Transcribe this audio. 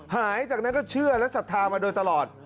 หายจากนั้นก็เชื่อและศรัทธามาโดยตลอด